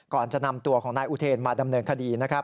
ก่อนจะนำตัวของนายอุเทนมาดำเนินคดีนะครับ